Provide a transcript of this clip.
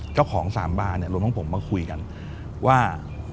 ก็ของ๓บาร์เนี่ยรวมต้องผมมาคุยกันว่า